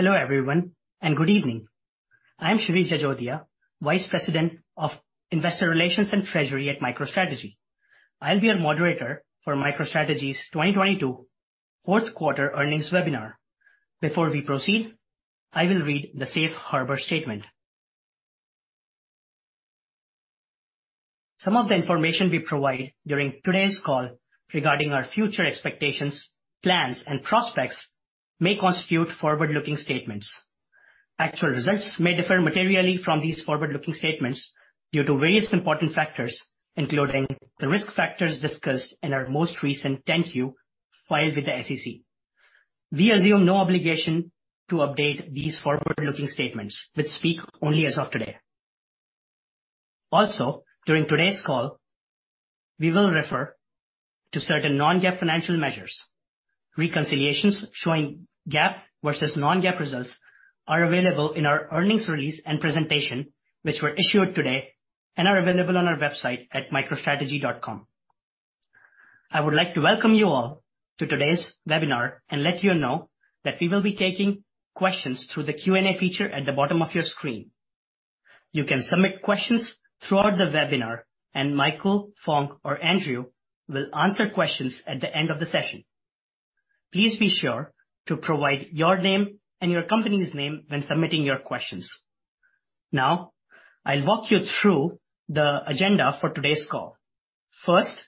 Hello everyone, good evening. I'm Shirish Jajodia, Vice President of Investor Relations and Treasury at MicroStrategy. I'll be your moderator for MicroStrategy's 2022 Fourth Quarter Earnings Webinar. Before we proceed, I will read the safe harbor statement. Some of the information we provide during today's call regarding our future expectations, plans, and prospects may constitute forward-looking statements. Actual results may differ materially from these forward-looking statements due to various important factors, including the risk factors discussed in our most recent 10-Q filed with the SEC. We assume no obligation to update these forward-looking statements, which speak only as of today. During today's call, we will refer to certain non-GAAP financial measures. Reconciliations showing GAAP versus non-GAAP results are available in our earnings release and presentation, which were issued today and are available on our website at microstrategy.com. I would like to welcome you all to today's webinar and let you know that we will be taking questions through the Q&A feature at the bottom of your screen. You can submit questions throughout the webinar, Michael, Phong, or Andrew will answer questions at the end of the session. Please be sure to provide your name and your company's name when submitting your questions. I'll walk you through the agenda for today's call. First,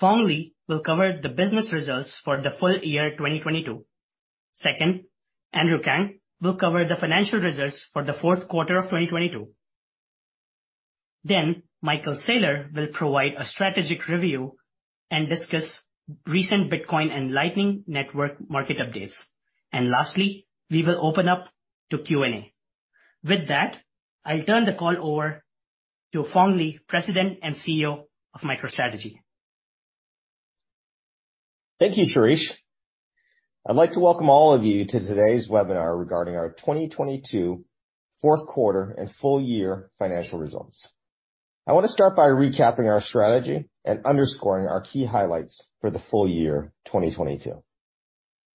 Phong Le will cover the business results for the full year 2022. Second, Andrew Kang will cover the financial results for the fourth quarter of 2022. Michael Saylor will provide a strategic review and discuss recent Bitcoin and Lightning Network market updates. Lastly, we will open up to Q&A. With that, I'll turn the call over to Phong Le, President and Chief Executive Officer of MicroStrategy. Thank you, Shirish. I'd like to welcome all of you to today's webinar regarding our 2022 fourth quarter and full year financial results. I want to start by recapping our strategy and underscoring our key highlights for the full year 2022.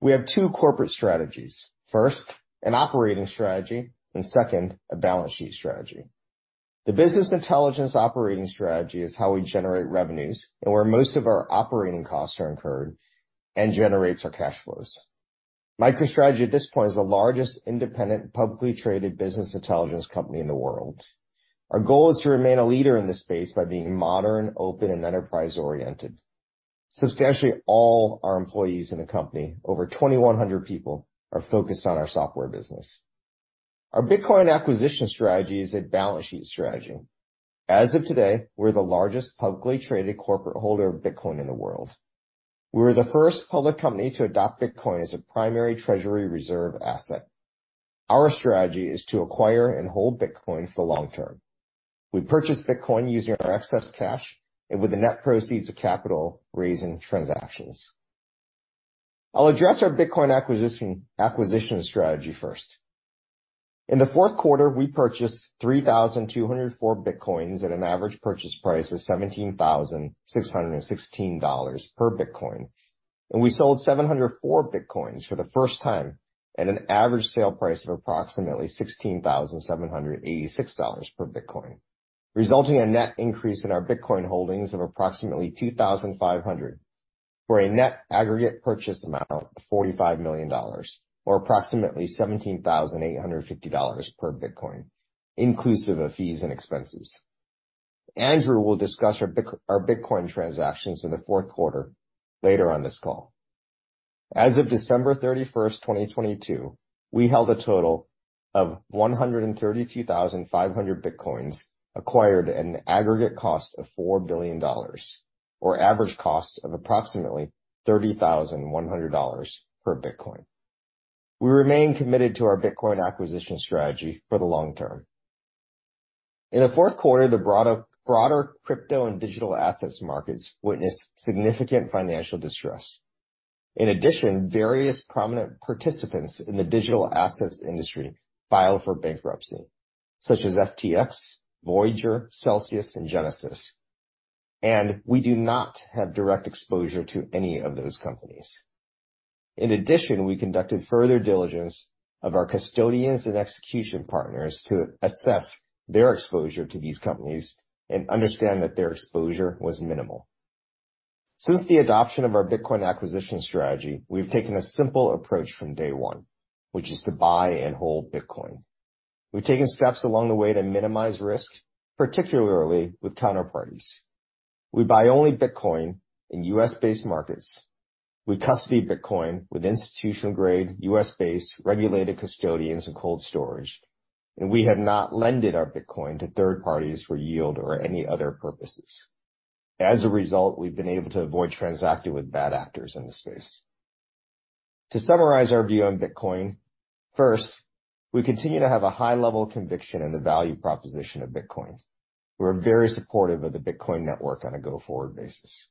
We have two corporate strategies. First, an operating strategy, and second, a balance sheet strategy. The business intelligence operating strategy is how we generate revenues and where most of our operating costs are incurred and generates our cash flows. MicroStrategy at this point is the largest independent, publicly traded business intelligence company in the world. Our goal is to remain a leader in this space by being modern, open, and enterprise-oriented. Substantially all our employees in the company, over 2,100 people, are focused on our software business. Our Bitcoin acquisition strategy is a balance sheet strategy. As of today, we're the largest publicly traded corporate holder of Bitcoin in the world. We were the first public company to adopt Bitcoin as a primary treasury reserve asset. Our strategy is to acquire and hold Bitcoin for long term. We purchase Bitcoin using our excess cash and with the net proceeds of capital raising transactions. I'll address our Bitcoin acquisition strategy first. In the fourth quarter, we purchased 3,204 bitcoins at an average purchase price of $17,616 per bitcoin, we sold 704 bitcoins for the first time at an average sale price of approximately $16,786 per bitcoin, resulting a net increase in our Bitcoin holdings of approximately 2,500 for a net aggregate purchase amount of $45 million or approximately $17,850 per bitcoin, inclusive of fees and expenses. Andrew will discuss our Bitcoin transactions in the fourth quarter later on this call. As of December 31, 2022, we held a total of 132,500 Bitcoins acquired at an aggregate cost of $4 billion or average cost of approximately $30,100 per Bitcoin. We remain committed to our Bitcoin acquisition strategy for the long term. In the fourth quarter, the broader crypto and digital assets markets witnessed significant financial distress. In addition, various prominent participants in the digital assets industry filed for bankruptcy, such as FTX, Voyager, Celsius, and Genesis. We do not have direct exposure to any of those companies. In addition, we conducted further diligence of our custodians and execution partners to assess their exposure to these companies and understand that their exposure was minimal. Since the adoption of our Bitcoin acquisition strategy, we've taken a simple approach from day one, which is to buy and hold Bitcoin. We've taken steps along the way to minimize risk, particularly with counterparties. We buy only Bitcoin in US-based markets. We custody Bitcoin with institutional-grade, US-based regulated custodians and cold storage, and we have not lended our Bitcoin to third parties for yield or any other purposes. As a result, we've been able to avoid transacting with bad actors in the space. To summarize our view on Bitcoin, first, we continue to have a high level of conviction in the value proposition of Bitcoin. We're very supportive of the Bitcoin network on a go-forward basis.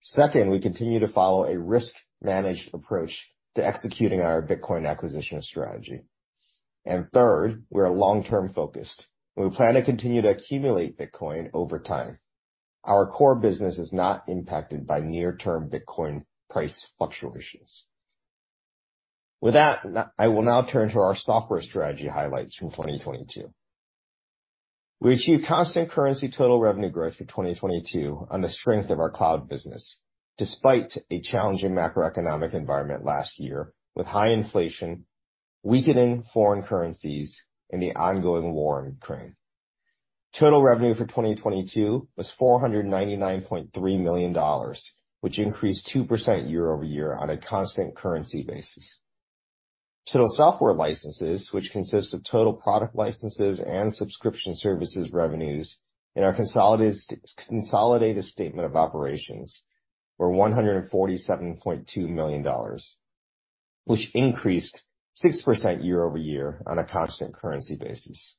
Second, we continue to follow a risk managed approach to executing our Bitcoin acquisition strategy. Third, we're long-term focused, and we plan to continue to accumulate Bitcoin over time. Our core business is not impacted by near-term Bitcoin price fluctuations. With that, I will now turn to our software strategy highlights from 2022. We achieved constant currency total revenue growth for 2022 on the strength of our cloud business, despite a challenging macroeconomic environment last year with high inflation, weakening foreign currencies and the ongoing war in Ukraine. Total revenue for 2022 was $499.3 million, which increased 2% year-over-year on a constant currency basis. Total software licenses, which consists of total product licenses and subscription services revenues in our consolidated statement of operations, were $147.2 million, which increased 6% year-over-year on a constant currency basis.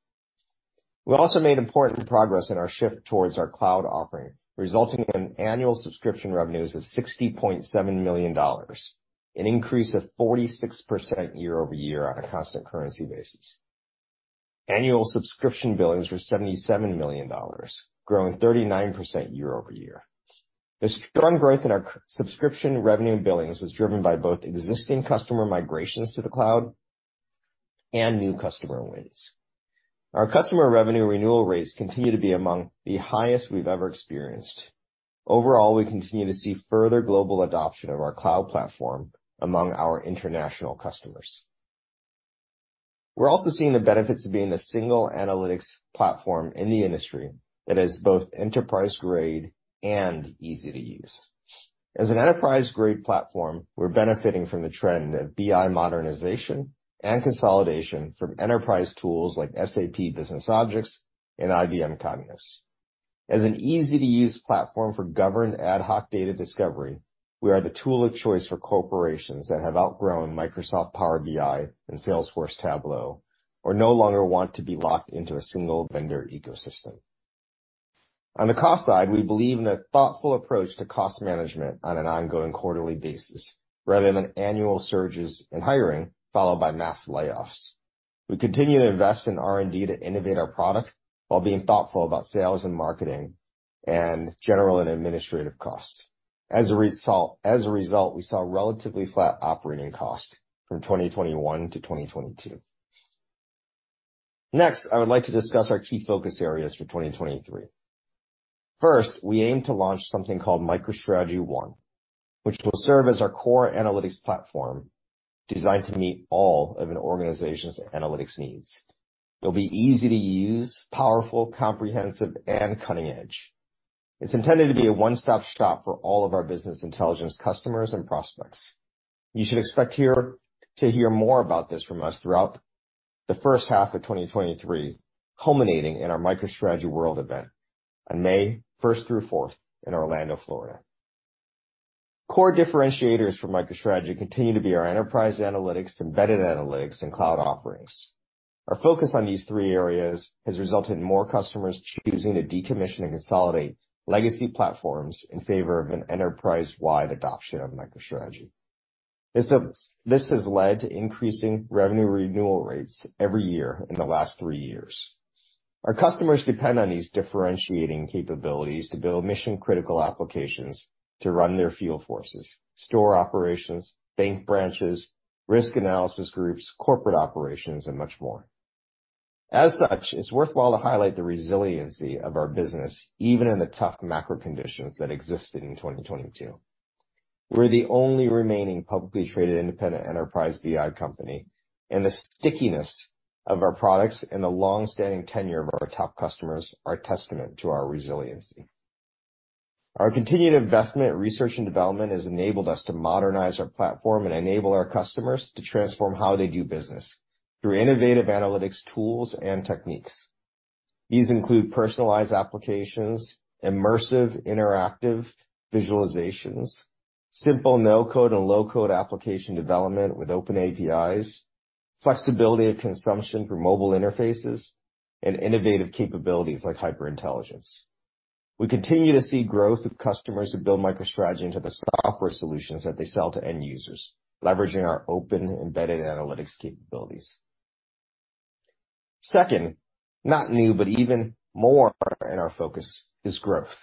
We also made important progress in our shift towards our cloud offering, resulting in annual subscription revenues of $60.7 million, an increase of 46% year-over-year on a constant currency basis. Annual subscription billings were $77 million, growing 39% year-over-year. The strong growth in our subscription revenue billings was driven by both existing customer migrations to the cloud and new customer wins. Our customer revenue renewal rates continue to be among the highest we've ever experienced. Overall, we continue to see further global adoption of our cloud platform among our international customers. We're also seeing the benefits of being the single analytics platform in the industry that is both enterprise-grade and easy to use. As an enterprise-grade platform, we're benefiting from the trend of BI modernization and consolidation from enterprise tools like SAP BusinessObjects and IBM Cognos. As an easy-to-use platform for governed ad hoc data discovery, we are the tool of choice for corporations that have outgrown Microsoft Power BI and Salesforce Tableau or no longer want to be locked into a single vendor ecosystem. On the cost side, we believe in a thoughtful approach to cost management on an ongoing quarterly basis rather than annual surges in hiring followed by mass layoffs. We continue to invest in R&D to innovate our product while being thoughtful about sales and marketing and general and administrative costs. As a result, we saw relatively flat operating costs from 2021 to 2022. Next, I would like to discuss our key focus areas for 2023. First, we aim to launch something called MicroStrategy ONE, which will serve as our core analytics platform designed to meet all of an organization's analytics needs. It'll be easy to use, powerful, comprehensive, and cutting edge. It's intended to be a one-stop shop for all of our business intelligence customers and prospects. You should expect to hear more about this from us throughout the first half of 2023, culminating in our MicroStrategy World event on May first through fourth in Orlando, Florida. Core differentiators for MicroStrategy continue to be our enterprise analytics, embedded analytics and cloud offerings. Our focus on these three areas has resulted in more customers choosing to decommission and consolidate legacy platforms in favor of an enterprise-wide adoption of MicroStrategy. This has led to increasing revenue renewal rates every year in the last three years. Our customers depend on these differentiating capabilities to build mission-critical applications to run their field forces, store operations, bank branches, risk analysis groups, corporate operations, and much more. It's worthwhile to highlight the resiliency of our business, even in the tough macro conditions that existed in 2022. We're the only remaining publicly traded independent enterprise BI company, and the stickiness of our products and the long-standing tenure of our top customers are testament to our resiliency. Our continued investment in research and development has enabled us to modernize our platform and enable our customers to transform how they do business through innovative analytics tools and techniques. These include personalized applications, immersive interactive visualizations, simple no-code and low-code application development with open APIs, flexibility of consumption through mobile interfaces, and innovative capabilities like HyperIntelligence. We continue to see growth with customers who build MicroStrategy into the software solutions that they sell to end users, leveraging our open embedded analytics capabilities. Second, not new, but even more in our focus is growth.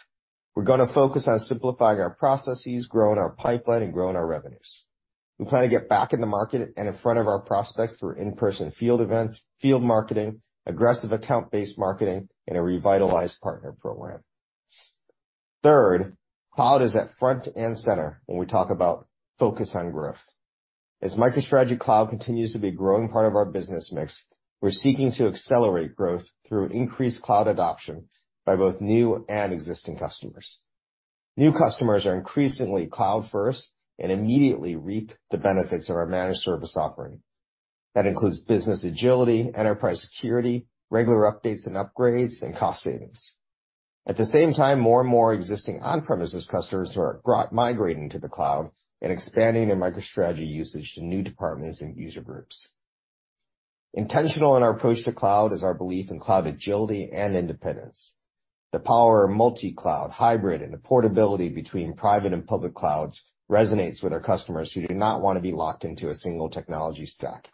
We're going to focus on simplifying our processes, growing our pipeline and growing our revenues. We plan to get back in the market and in front of our prospects through in-person field events, field marketing, aggressive account-based marketing, and a revitalized partner program. Third, cloud is at front and center when we talk about focus on growth. As MicroStrategy Cloud continues to be a growing part of our business mix, we're seeking to accelerate growth through increased cloud adoption by both new and existing customers. New customers are increasingly cloud-first and immediately reap the benefits of our managed service offering. That includes business agility, enterprise security, regular updates and upgrades, and cost savings. At the same time, more and more existing on-premises customers are brought migrating to the cloud and expanding their MicroStrategy usage to new departments and user groups. Intentional in our approach to cloud is our belief in cloud agility and independence. The power of multi-cloud hybrid and the portability between private and public clouds resonates with our customers who do not wanna be locked into a single technology stack.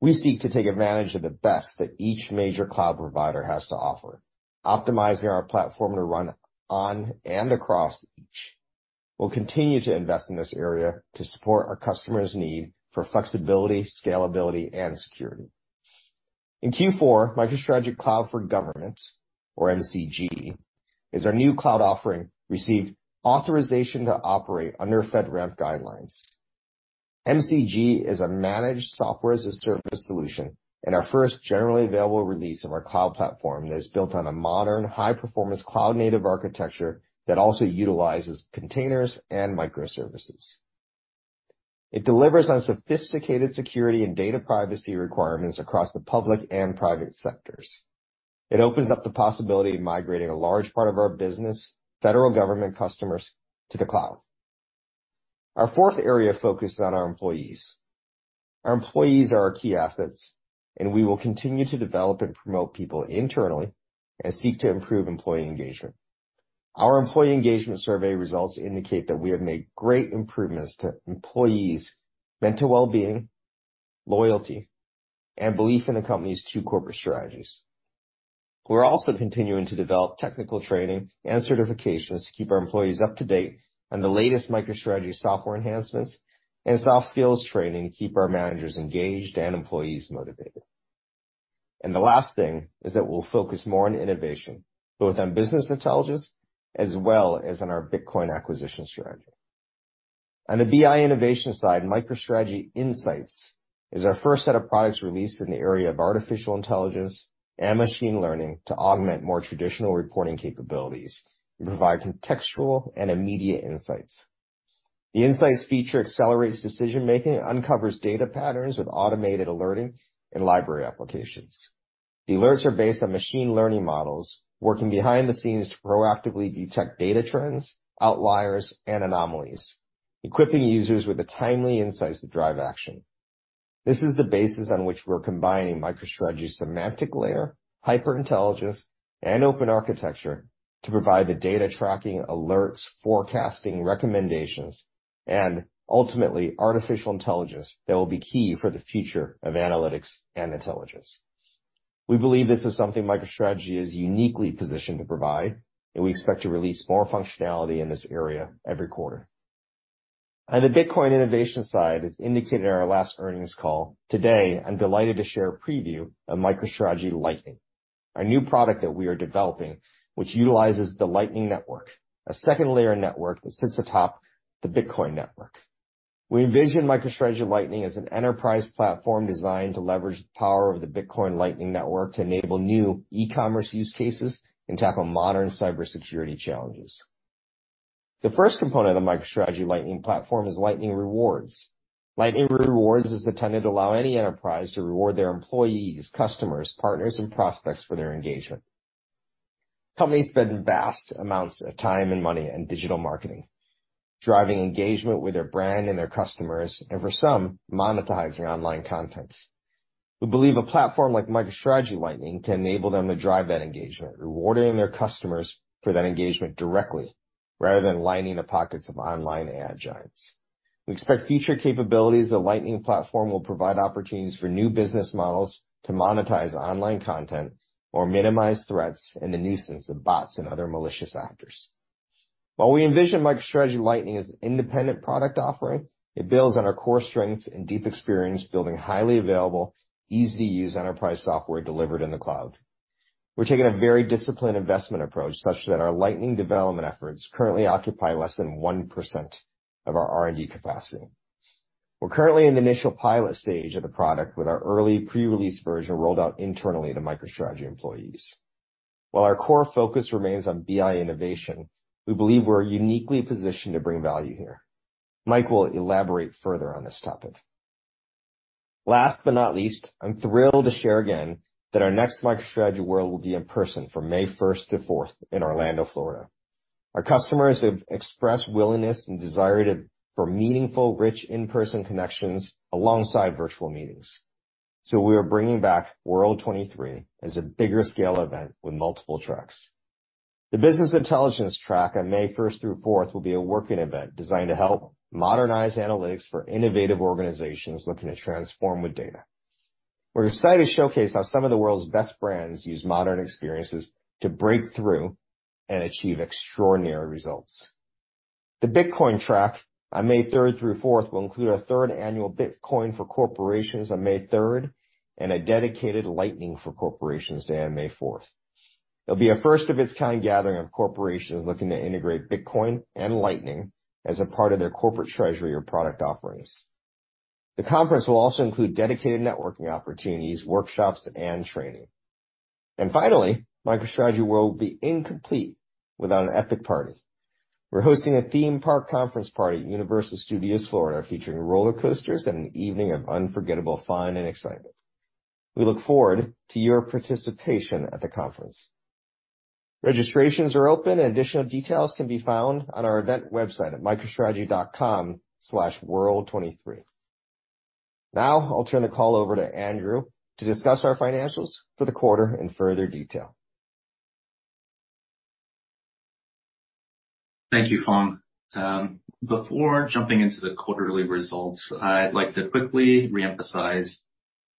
We seek to take advantage of the best that each major cloud provider has to offer, optimizing our platform to run on and across each. We'll continue to invest in this area to support our customers' need for flexibility, scalability, and security. In Q4, MicroStrategy Cloud for Government, or MCG, is our new cloud offering, received authorization to operate under FedRAMP guidelines. MCG is a managed Software as a Service solution and our first generally available release of our cloud platform that is built on a modern high-performance cloud-native architecture that also utilizes containers and microservices. It delivers on sophisticated security and data privacy requirements across the public and private sectors. It opens up the possibility of migrating a large part of our business, federal government customers to the cloud. Our fourth area of focus is on our employees. Our employees are our key assets, and we will continue to develop and promote people internally and seek to improve employee engagement. Our employee engagement survey results indicate that we have made great improvements to employees' mental wellbeing, loyalty, and belief in the company's two corporate strategies. We're also continuing to develop technical training and certifications to keep our employees up to date on the latest MicroStrategy software enhancements and soft skills training to keep our managers engaged and employees motivated. The last thing is that we'll focus more on innovation, both on business intelligence as well as on our Bitcoin acquisition strategy. On the BI innovation side, MicroStrategy Insights is our first set of products released in the area of artificial intelligence and machine learning to augment more traditional reporting capabilities and provide contextual and immediate insights. The insights feature accelerates decision-making, uncovers data patterns with automated alerting and library applications. The alerts are based on machine learning models working behind the scenes to proactively detect data trends, outliers, and anomalies, equipping users with the timely insights to drive action. This is the basis on which we're combining MicroStrategy semantic layer, HyperIntelligence, and open architecture to provide the data tracking alerts, forecasting recommendations, and ultimately artificial intelligence that will be key for the future of analytics and intelligence. We believe this is something MicroStrategy is uniquely positioned to provide, and we expect to release more functionality in this area every quarter. On the Bitcoin innovation side, as indicated in our last earnings call, today I'm delighted to share a preview of MicroStrategy Lightning, our new product that we are developing, which utilizes the Lightning Network, a second-layer network that sits atop the Bitcoin Network. We envision MicroStrategy Lightning as an enterprise platform designed to leverage the power of the Bitcoin Lightning Network to enable new e-commerce use cases and tackle modern cybersecurity challenges. The first component of MicroStrategy Lightning platform is Lightning Rewards. Lightning Rewards is intended to allow any enterprise to reward their employees, customers, partners, and prospects for their engagement. Companies spend vast amounts of time and money on digital marketing, driving engagement with their brand and their customers, and for some, monetizing online content. We believe a platform like MicroStrategy Lightning can enable them to drive that engagement, rewarding their customers for that engagement directly, rather than lining the pockets of online ad giants. We expect future capabilities of the Lightning platform will provide opportunities for new business models to monetize online content or minimize threats and the nuisance of bots and other malicious actors. While we envision MicroStrategy Lightning as an independent product offering, it builds on our core strengths and deep experience building highly available, easy to use enterprise software delivered in the cloud. We're taking a very disciplined investment approach such that our Lightning development efforts currently occupy less than 1% of our R&D capacity. We're currently in the initial pilot stage of the product with our early pre-release version rolled out internally to MicroStrategy employees. While our core focus remains on BI innovation, we believe we're uniquely positioned to bring value here. Mike will elaborate further on this topic. Last but not least, I'm thrilled to share again that our next MicroStrategy World will be in person from May 1st to 4th in Orlando, Florida. Our customers have expressed willingness and desire for meaningful, rich in-person connections alongside virtual meetings. We are bringing back World 2023 as a bigger scale event with multiple tracks. The business intelligence track on May 1st through 4th will be a working event designed to help modernize analytics for innovative organizations looking to transform with data. We're excited to showcase how some of the world's best brands use modern experiences to break through and achieve extraordinary results. The Bitcoin track on May 3rd through 4th will include our 3rd annual Bitcoin for Corporations on May 3rd and a dedicated Lightning for Corporations day on May 4th. It'll be a first of its kind gathering of corporations looking to integrate Bitcoin and Lightning as a part of their corporate treasury or product offerings. The conference will also include dedicated networking opportunities, workshops, and training. Finally, MicroStrategy World will be incomplete without an epic party. We're hosting a theme park conference party at Universal Studios, Florida, featuring roller coasters and an evening of unforgettable fun and excitement. We look forward to your participation at the conference. Registrations are open. Additional details can be found on our event website at microstrategy.com/world23. Now I'll turn the call over to Andrew to discuss our financials for the quarter in further detail. Thank you, Phong. Before jumping into the quarterly results, I'd like to quickly re-emphasize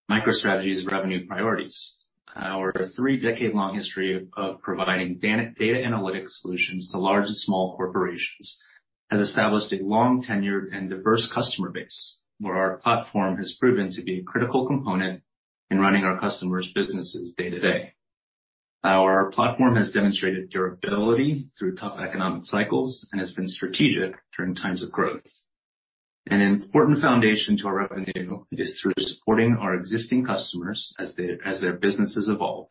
MicroStrategy's revenue priorities. Our three-decade-long history of providing data analytic solutions to large and small corporations has established a long tenure and diverse customer base, where our platform has proven to be a critical component in running our customers' businesses day-to-day. Our platform has demonstrated durability through tough economic cycles and has been strategic during times of growth. An important foundation to our revenue is through supporting our existing customers as their businesses evolve.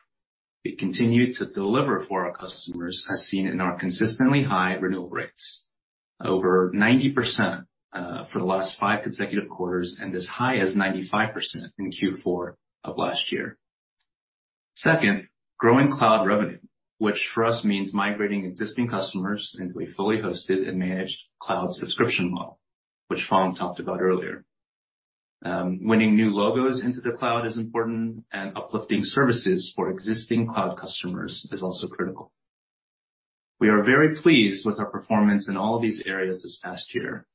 We continue to deliver for our customers as seen in our consistently high renewal rates. Over 90% for the last five consecutive quarters and as high as 95% in Q4 of last year. Second, growing cloud revenue, which for us means migrating existing customers into a fully hosted and managed cloud subscription model, which Phong talked about earlier. Winning new logos into the cloud is important, and uplifting services for existing cloud customers is also critical. We are very pleased with our performance in all of these areas this past year.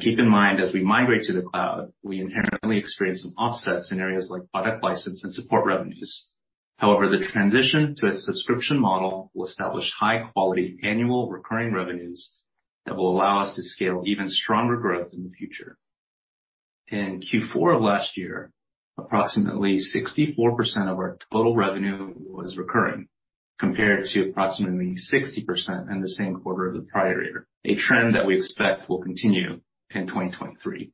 Keep in mind, as we migrate to the cloud, we inherently experience some offsets in areas like product license and support revenues. However, the transition to a subscription model will establish high quality annual recurring revenues that will allow us to scale even stronger growth in the future. In Q4 of last year, approximately 64% of our total revenue was recurring, compared to approximately 60% in the same quarter of the prior year, a trend that we expect will continue in 2023.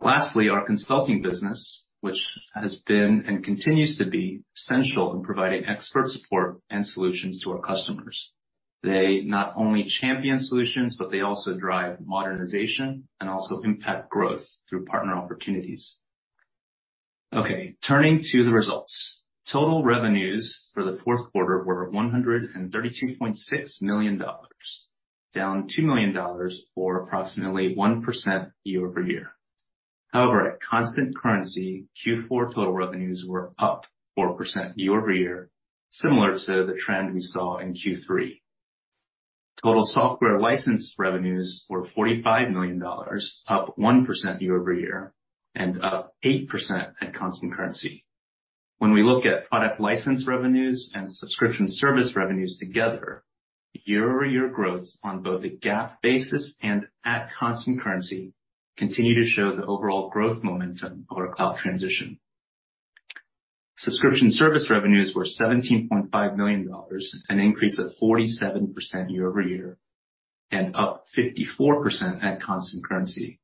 Lastly, our consulting business, which has been and continues to be essential in providing expert support and solutions to our customers. They not only champion solutions, but they also drive modernization and also impact growth through partner opportunities. Turning to the results. Total revenues for the fourth quarter were $132.6 million, down $2 million or approximately 1% year-over-year. At constant currency, Q4 total revenues were up 4% year-over-year, similar to the trend we saw in Q3. Total software license revenues were $45 million, up 1% year-over-year and up 8% at constant currency. When we look at product license revenues and subscription service revenues together, year-over-year growth on both a GAAP basis and at constant currency continue to show the overall growth momentum of our cloud transition. Subscription service revenues were $17.5 million, an increase of 47% year-over-year, and up 54% at constant currency.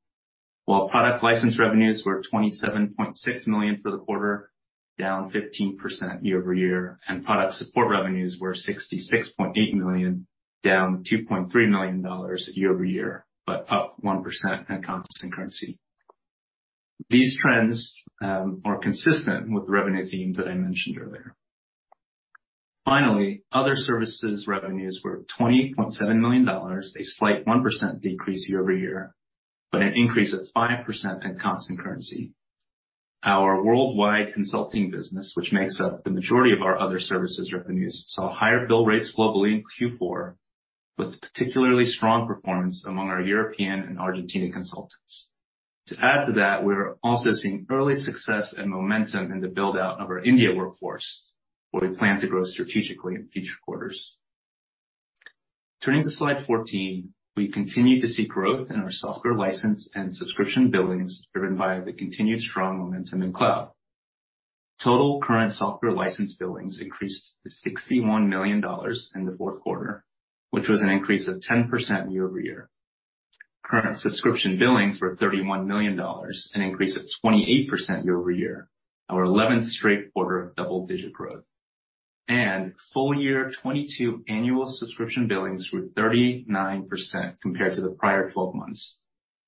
Product license revenues were $27.6 million for the quarter, down 15% year-over-year, and product support revenues were $66.8 million, down $2.3 million year-over-year, but up 1% at constant currency. These trends are consistent with the revenue themes that I mentioned earlier. Other services revenues were $28.7 million, a slight 1% decrease year-over-year, but an increase of 5% in constant currency. Our worldwide consulting business, which makes up the majority of our other services revenues, saw higher bill rates globally in Q4, with particularly strong performance among our European and Argentina consultants. To add to that, we're also seeing early success and momentum in the build-out of our India workforce, where we plan to grow strategically in future quarters. Turning to slide 14, we continue to see growth in our software license and subscription billings driven by the continued strong momentum in cloud. Total current software license billings increased to $61 million in the fourth quarter, which was an increase of 10% year-over-year. Current subscription billings were $31 million, an increase of 28% year-over-year. Our eleventh straight quarter of double-digit growth. Full year 2022 annual subscription billings were 39% compared to the prior 12 months,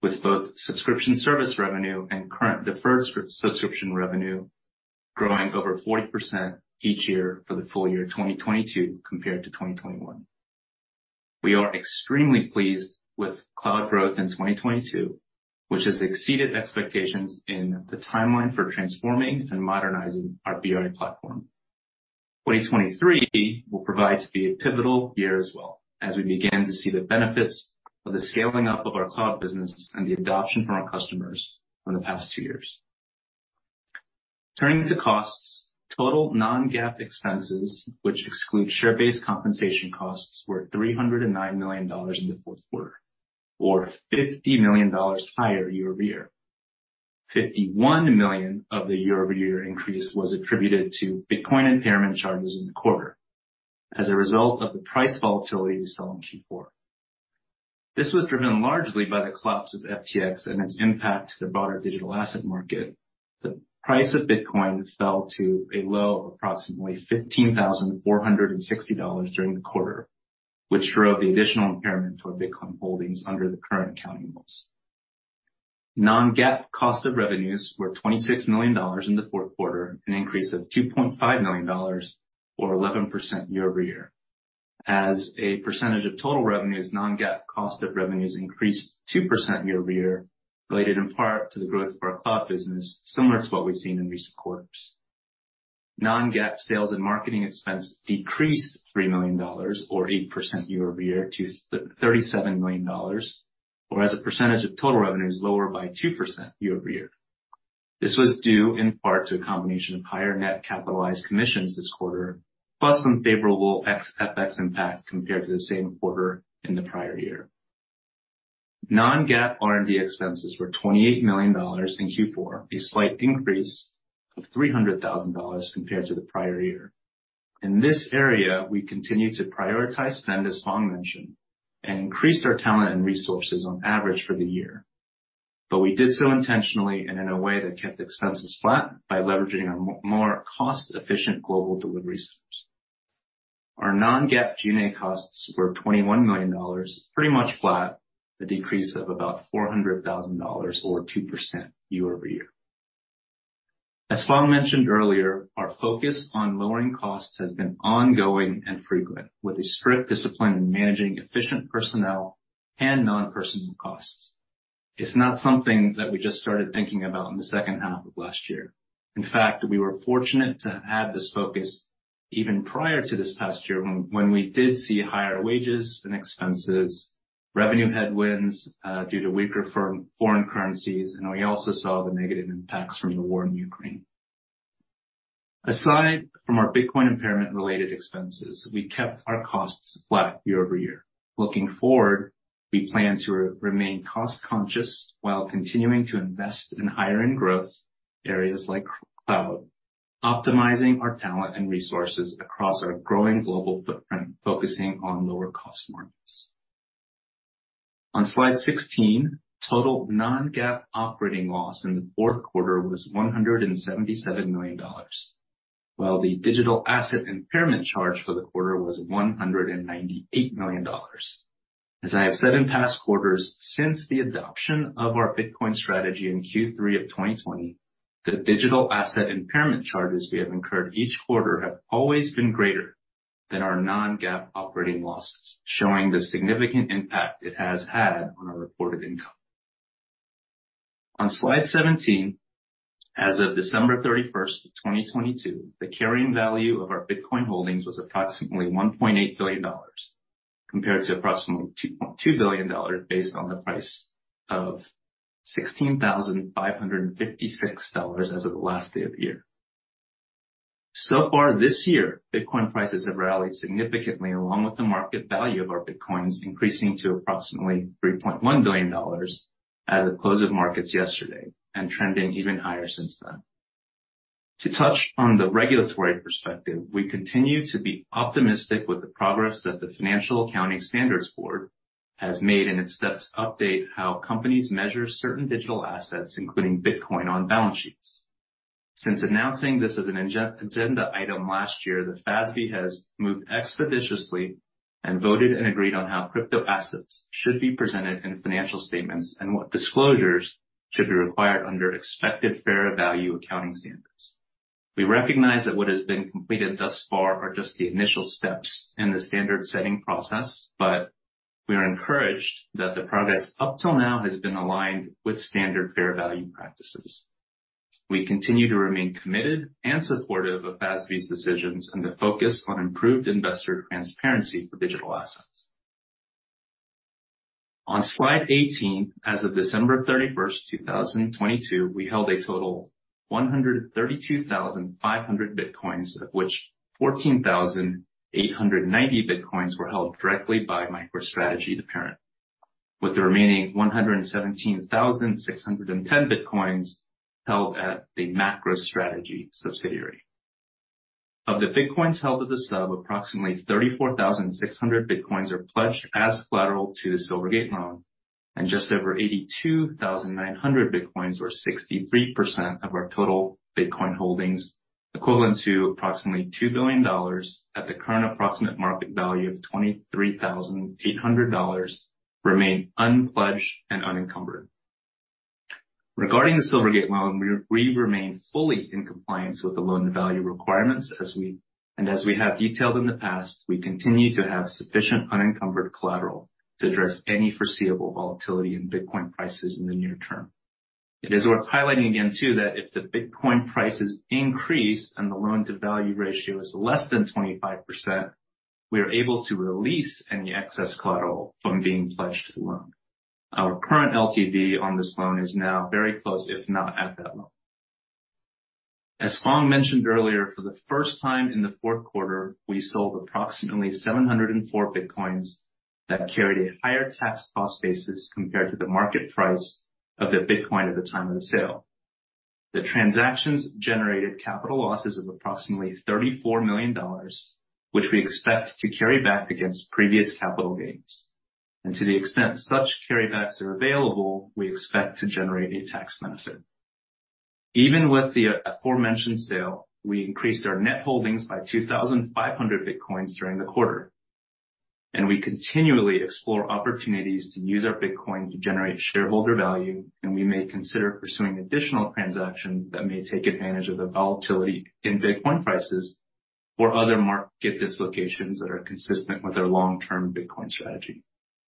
with both subscription service revenue and current deferred subscription revenue growing over 40% each year for the full year 2022 compared to 2021. We are extremely pleased with cloud growth in 2022, which has exceeded expectations in the timeline for transforming and modernizing our BI platform. 2023 will prove to be a pivotal year as well as we begin to see the benefits of the scaling up of our cloud business and the adoption from our customers from the past two years. Turning to costs, total non-GAAP expenses, which excludes share-based compensation costs, were $309 million in the fourth quarter, or $50 million higher year-over-year. $51 million of the year-over-year increase was attributed to Bitcoin impairment charges in the quarter as a result of the price volatility we saw in Q4. This was driven largely by the collapse of FTX and its impact to the broader digital asset market. The price of Bitcoin fell to a low of approximately $15,460 during the quarter, which drove the additional impairment for Bitcoin holdings under the current accounting rules. non-GAAP cost of revenues were $26 million in the fourth quarter, an increase of $2.5 million or 11% year-over-year. As a percentage of total revenues, non-GAAP cost of revenues increased 2% year-over-year, related in part to the growth of our cloud business, similar to what we've seen in recent quarters. non-GAAP sales and marketing expense decreased $3 million or 8% year-over-year to $37 million, or as a percentage of total revenues, lower by 2% year-over-year. This was due in part to a combination of higher net capitalized commissions this quarter, plus some favorable FX impact compared to the same quarter in the prior year. Non-GAAP R&D expenses were $28 million in Q4, a slight increase of $300,000 compared to the prior year. In this area, we continue to prioritize spend, as Phong mentioned, and increased our talent and resources on average for the year. We did so intentionally and in a way that kept expenses flat by leveraging a more cost-efficient global delivery source. Our non-GAAP G&A costs were $21 million, pretty much flat, a decrease of about $400,000 or 2% year-over-year. As Phong mentioned earlier, our focus on lowering costs has been ongoing and frequent, with a strict discipline in managing efficient personnel and non-personnel costs. It's not something that we just started thinking about in the second half of last year. In fact, we were fortunate to have this focus even prior to this past year when we did see higher wages and expenses, revenue headwinds due to weaker foreign currencies. We also saw the negative impacts from the war in Ukraine. Aside from our Bitcoin impairment related expenses, we kept our costs flat year-over-year. Looking forward, we plan to remain cost conscious while continuing to invest in hiring growth areas like cloud, optimizing our talent and resources across our growing global footprint, focusing on lower cost markets. On slide 16, total non-GAAP operating loss in the fourth quarter was $177 million, while the digital asset impairment charge for the quarter was $198 million. As I have said in past quarters, since the adoption of our Bitcoin strategy in Q3 of 2020, the digital asset impairment charges we have incurred each quarter have always been greater than our non-GAAP operating losses, showing the significant impact it has had on our reported income. On slide 17, as of December 31st, 2022, the carrying value of our Bitcoin holdings was approximately $1.8 billion compared to approximately $2.2 billion based on the price of $16,556 as of the last day of the year. Far this year, Bitcoin prices have rallied significantly along with the market value of our Bitcoins, increasing to approximately $3.1 billion at the close of markets yesterday and trending even higher since then. To touch on the regulatory perspective, we continue to be optimistic with the progress that the Financial Accounting Standards Board has made in its steps to update how companies measure certain digital assets, including Bitcoin on balance sheets. Since announcing this as an agenda item last year, the FASB has moved expeditiously and voted and agreed on how crypto assets should be presented in financial statements and what disclosures should be required under expected fair value accounting standards. We recognize that what has been completed thus far are just the initial steps in the standard-setting process, but we are encouraged that the progress up till now has been aligned with standard fair value practices. We continue to remain committed and supportive of FASB's decisions and the focus on improved investor transparency for digital assets. On slide 18, as of December 31st, 2022, we held a total 132,500 Bitcoins, of which 14,890 Bitcoins were held directly by MicroStrategy, the parent, with the remaining 117,610 Bitcoins held at the MacroStrategy subsidiary. Of the Bitcoins held at the sub, approximately 34,600 Bitcoins are pledged as collateral to the Silvergate loan and just over 82,900 Bitcoins or 63% of our total Bitcoin holdings, equivalent to approximately $2 billion at the current approximate market value of $23,800 remain unpledged and unencumbered. Regarding the Silvergate loan, we remain fully in compliance with the loan-to-value requirements as we have detailed in the past, we continue to have sufficient unencumbered collateral to address any foreseeable volatility in Bitcoin prices in the near term. It is worth highlighting again too, that if the Bitcoin prices increase and the loan-to-value ratio is less than 25%, we are able to release any excess collateral from being pledged to the loan. Our current LTV on this loan is now very close, if not at that loan. As Phong mentioned earlier, for the first time in the fourth quarter, we sold approximately 704 bitcoins that carried a higher tax cost basis compared to the market price of the Bitcoin at the time of the sale. The transactions generated capital losses of approximately $34 million, which we expect to carry back against previous capital gains. To the extent such carrybacks are available, we expect to generate a tax benefit. Even with the aforementioned sale, we increased our net holdings by 2,500 bitcoins during the quarter. We continually explore opportunities to use our Bitcoin to generate shareholder value, and we may consider pursuing additional transactions that may take advantage of the volatility in Bitcoin prices or other market dislocations that are consistent with our long-term Bitcoin strategy.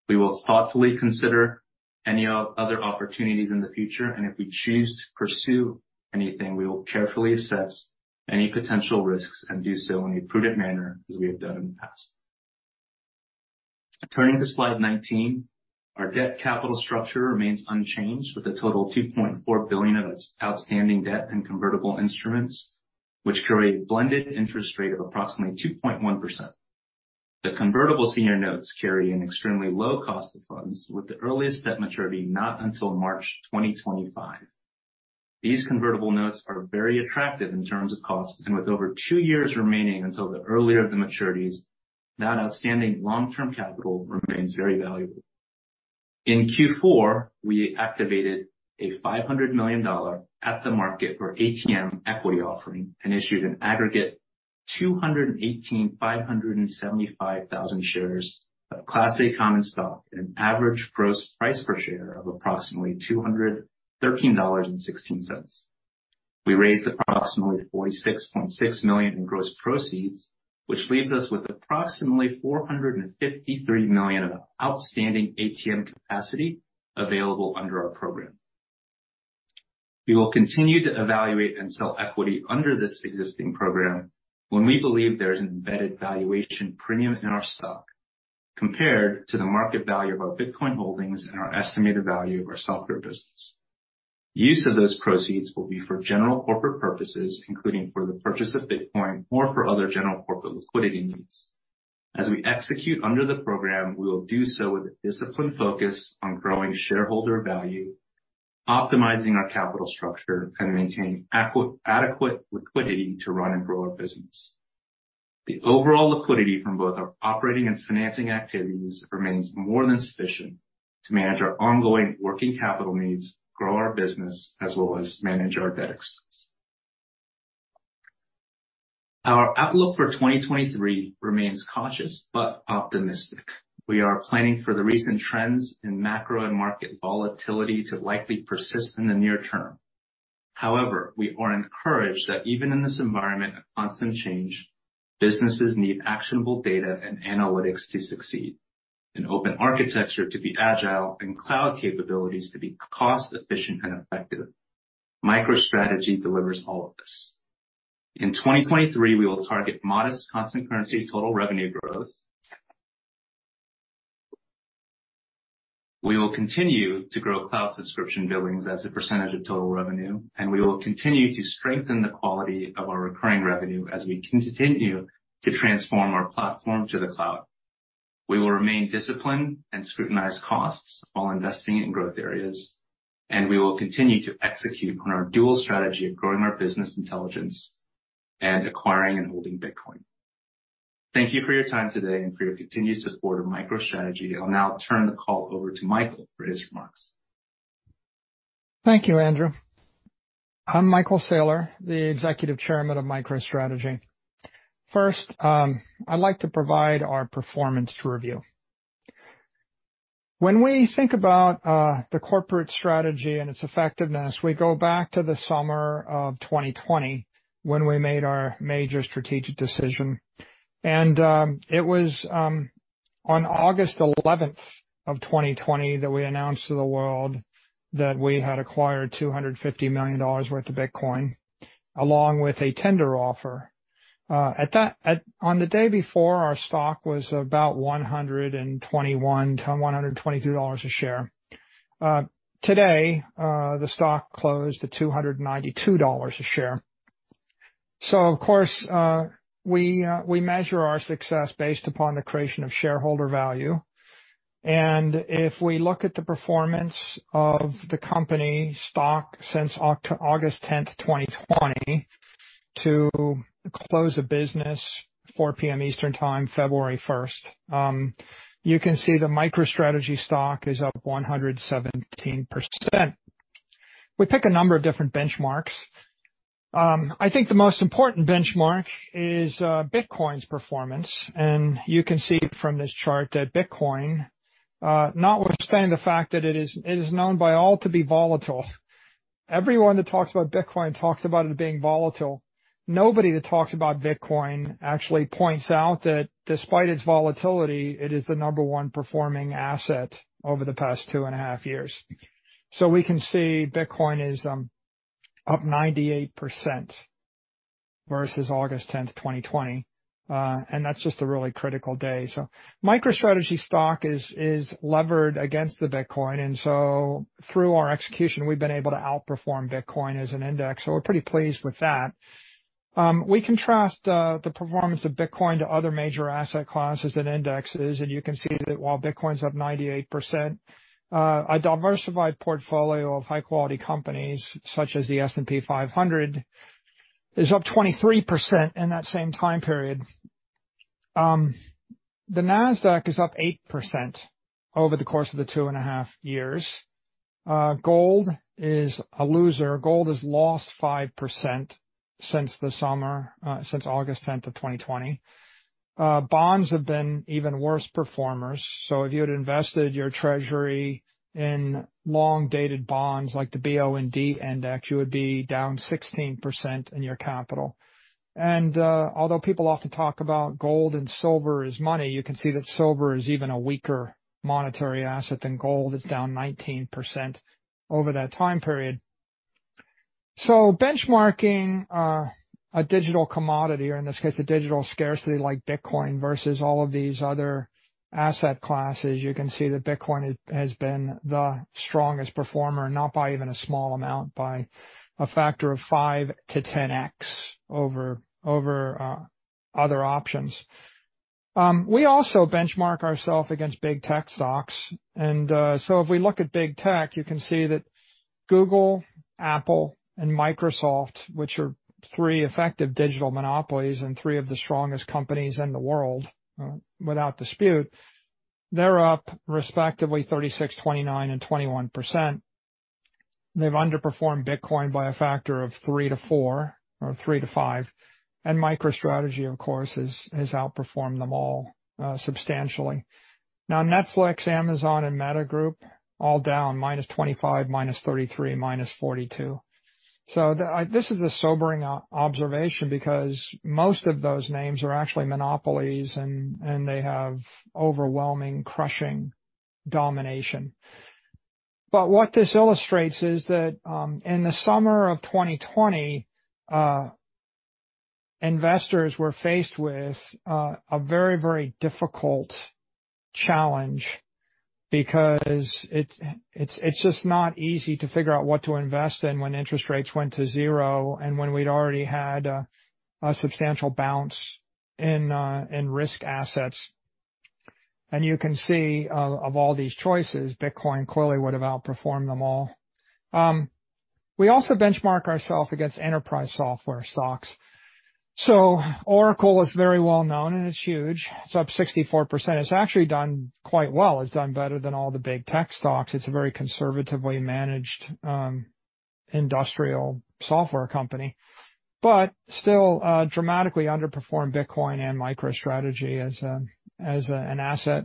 We will thoughtfully consider any other opportunities in the future, and if we choose to pursue anything, we will carefully assess any potential risks and do so in a prudent manner as we have done in the past. Turning to slide 19, our debt capital structure remains unchanged, with a total $2.4 billion of outstanding debt and convertible instruments, which carry a blended interest rate of approximately 2.1%. The convertible senior notes carry an extremely low cost of funds, with the earliest debt maturity not until March 2025. These convertible notes are very attractive in terms of cost. With over two years remaining until the earlier of the maturities, that outstanding long-term capital remains very valuable. In Q4, we activated a $500 million at the market for ATM equity offering and issued an aggregate 218,575 shares of Class A common stock at an average gross price per share of approximately $213.16. We raised approximately $46.6 million in gross proceeds, which leaves us with approximately $453 million of outstanding ATM capacity available under our program. We will continue to evaluate and sell equity under this existing program when we believe there's an embedded valuation premium in our stock compared to the market value of our Bitcoin holdings and our estimated value of our software business. Use of those proceeds will be for general corporate purposes, including for the purchase of Bitcoin or for other general corporate liquidity needs. As we execute under the program, we will do so with a disciplined focus on growing shareholder value, optimizing our capital structure, and maintaining adequate liquidity to run and grow our business. The overall liquidity from both our operating and financing activities remains more than sufficient to manage our ongoing working capital needs, grow our business, as well as manage our debt expense. Our outlook for 2023 remains cautious but optimistic. We are planning for the recent trends in macro and market volatility to likely persist in the near term. However, we are encouraged that even in this environment of constant change, businesses need actionable data and analytics to succeed, an open architecture to be agile, and cloud capabilities to be cost efficient and effective. MicroStrategy delivers all of this. In 2023, we will target modest constant currency total revenue growth. We will continue to grow cloud subscription billings as a percentage of total revenue, and we will continue to strengthen the quality of our recurring revenue as we continue to transform our platform to the cloud. We will remain disciplined and scrutinize costs while investing in growth areas, and we will continue to execute on our dual strategy of growing our business intelligence and acquiring and holding Bitcoin. Thank you for your time today and for your continued support of MicroStrategy. I'll now turn the call over to Michael for his remarks. Thank you, Andrew. I'm Michael Saylor, the Executive Chairman of MicroStrategy. First, I'd like to provide our performance review. When we think about the corporate strategy and its effectiveness, we go back to the summer of 2020 when we made our major strategic decision. It was on August 11th of 2020 that we announced to the world that we had acquired $250 million worth of Bitcoin along with a tender offer. On the day before, our stock was about $121-$123 a share. Today, the stock closed at $292 a share. Of course, we measure our success based upon the creation of shareholder value. If we look at the performance of the company stock since August 10, 2020 to close of business, 4:00 P.M. Eastern Time, February 1, you can see the MicroStrategy stock is up 117%. We pick a number of different benchmarks. I think the most important benchmark is Bitcoin's performance. You can see from this chart that Bitcoin, notwithstanding the fact that it is known by all to be volatile, everyone that talks about Bitcoin talks about it being volatile. Nobody that talks about Bitcoin actually points out that despite its volatility, it is the number one performing asset over the past two and a half years. We can see Bitcoin is up 98% versus August 10, 2020. That's just a really critical day. MicroStrategy stock is levered against the Bitcoin, through our execution, we've been able to outperform Bitcoin as an index. We're pretty pleased with that. We contrast the performance of Bitcoin to other major asset classes and indexes, and you can see that while Bitcoin's up 98%, a diversified portfolio of high quality companies such as the S&P 500 is up 23% in that same time period. The Nasdaq is up 8% over the course of the 2.5 years. Gold is a loser. Gold has lost 5% since the summer, since August 10th of 2020. Bonds have been even worse performers. If you had invested your treasury in long-dated bonds like the BOND and that would be down 16% in your capital. Although people often talk about gold and silver as money, you can see that silver is even a weaker monetary asset than gold. It's down 19% over that time period. Benchmarking a digital commodity, or in this case, a digital scarcity like Bitcoin versus all of these other asset classes, you can see that Bitcoin has been the strongest performer, not by even a small amount, by a factor of five to 10x over other options. We also benchmark ourself against big tech stocks. If we look at big tech, you can see that Google, Apple and Microsoft, which are three effective digital monopolies and three of the strongest companies in the world, without dispute, they're up respectively 36%, 29%, and 21%. They've underperformed Bitcoin by a factor of three to four or three to five. MicroStrategy, of course, has outperformed them all substantially. Netflix, Amazon, and Meta Group all down -25%, -33%, -42%. This is a sobering observation because most of those names are actually monopolies and they have overwhelming, crushing domination. What this illustrates is that in the summer of 2020, investors were faced with a very, very difficult challenge because it's just not easy to figure out what to invest in when interest rates went to zero and when we'd already had a substantial bounce in risk assets. You can see of all these choices, Bitcoin clearly would have outperformed them all. We also benchmark ourself against enterprise software stocks. Oracle is very well known, and it's huge. It's up 64%. It's actually done quite well. It's done better than all the big tech stocks. It's a very conservatively managed, industrial software company, but still dramatically underperformed Bitcoin and MicroStrategy as an asset.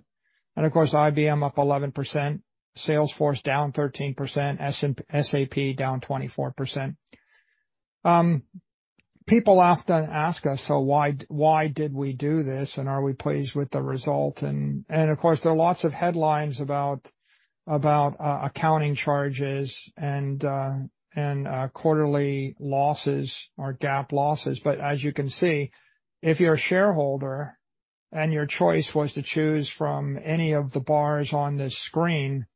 Of course, IBM up 11%, Salesforce down 13%, SAP down 24%. People often ask us, "Why did we do this, and are we pleased with the result?" Of course, there are lots of headlines about accounting charges and quarterly losses or GAAP losses. As you can see, if you're a shareholder and your choice was to choose from any of the bars on this screen,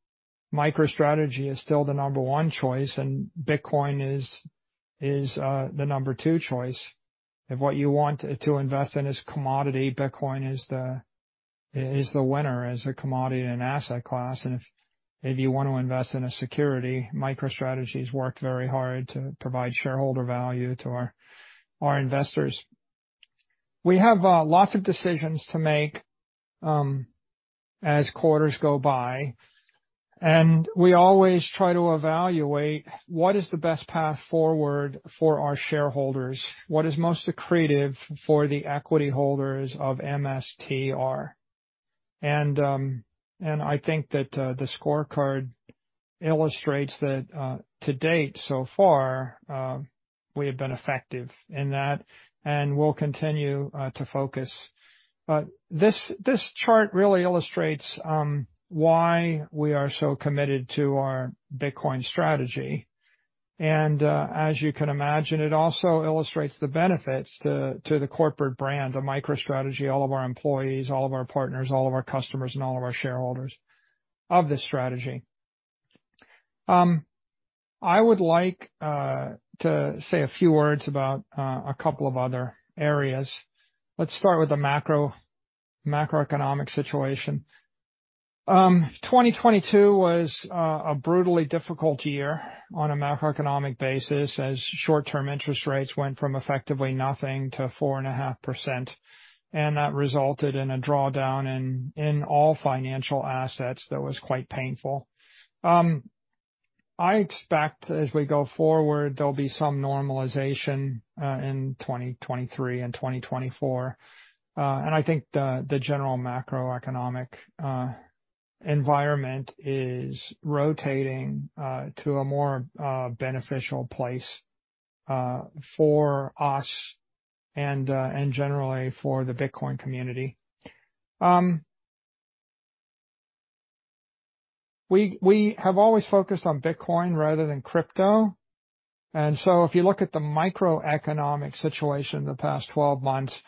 MicroStrategy is still the number one choice, and Bitcoin is the number two choice. If what you want to invest in is commodity, Bitcoin is the winner as a commodity and asset class. If you want to invest in a security, MicroStrategy's worked very hard to provide shareholder value to our investors. We have lots of decisions to make, as quarters go by, and we always try to evaluate what is the best path forward for our shareholders, what is most accretive for the equity holders of MSTR. I think that the scorecard illustrates that to date so far, we have been effective in that, and we'll continue to focus. This chart really illustrates why we are so committed to our Bitcoin strategy. As you can imagine, it also illustrates the benefits to the corporate brand, to MicroStrategy, all of our employees, all of our partners, all of our customers, and all of our shareholders of this strategy. I would like to say a few words about a couple of other areas. Let's start with the macroeconomic situation. 2022 was a brutally difficult year on a macroeconomic basis as short-term interest rates went from effectively nothing to 4.5%, and that resulted in a drawdown in all financial assets that was quite painful. I expect as we go forward, there'll be some normalization in 2023 and 2024. I think the general macroeconomic environment is rotating to a more beneficial place for us and generally for the Bitcoin community. We have always focused on Bitcoin rather than crypto. If you look at the microeconomic situation the past 12 months,